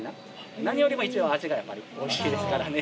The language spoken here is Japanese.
何よりも一番味がやっぱりおいしいですからね。